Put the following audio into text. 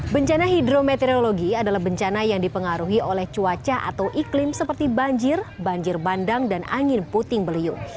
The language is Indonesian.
bencana hidrometeorologi adalah bencana yang dipengaruhi oleh cuaca atau iklim seperti banjir banjir bandang dan angin puting beliung